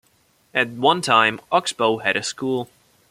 At one time, Oxbow had a school.